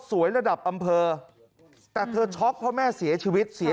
สวยระดับอำเภอแต่เพราะแม่เสียชีวิตเสีย